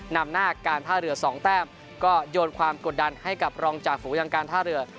นำหน้าการท่าเรือสองแต้มก็โยนความกดดันให้กับรองจากฝูยังการท่าเรือ